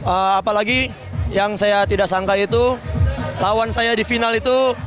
apalagi yang saya tidak sangka itu lawan saya di final itu